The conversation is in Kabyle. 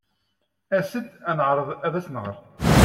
As-d ad neɛreḍ ad as-nɣer.